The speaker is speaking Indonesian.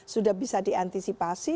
sudah bisa diantisipasi